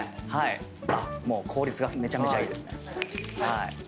もう効率がめちゃめちゃいいですね。